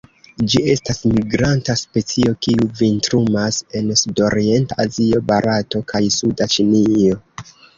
Ĝi estas migranta specio, kiu vintrumas en sudorienta Azio, Barato kaj suda Ĉinio.